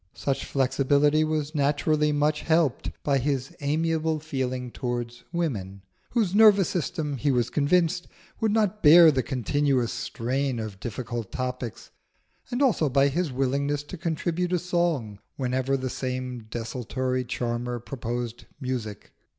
Such flexibility was naturally much helped by his amiable feeling towards woman, whose nervous system, he was convinced, would not bear the continuous strain of difficult topics; and also by his willingness to contribute a song whenever the same desultory charmer proposed music.